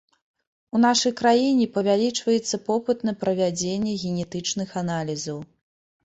У нашай краіне павялічваецца попыт на правядзенне генетычных аналізаў.